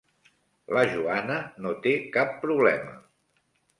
La Joana no té cap problema.